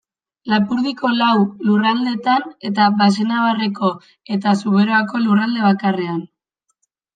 Lapurdiko lau lurraldetan, eta Baxenabarreko eta Zuberoako lurralde bakarrean.